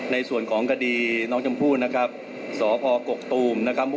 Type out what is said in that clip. ในส่วนของกดีน้องจำพูดสพกกตูมมภ